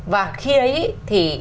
và khi ấy thì